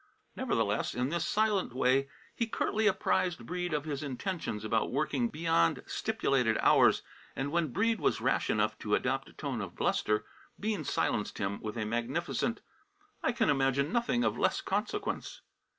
Nevertheless, in this silent way, he curtly apprised Breede of his intentions about working beyond stipulated hours, and when Breede was rash enough to adopt a tone of bluster, Bean silenced him with a magnificent "I can imagine nothing of less consequence!"